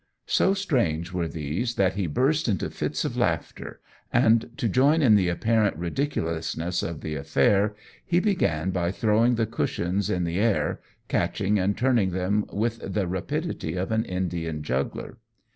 So strange were these that he burst into fits of laughter, and, to join in the apparent ridiculousness of the affair, he began by throwing the cushions in the air, catching and turning them with the rapidity of an Indian juggler.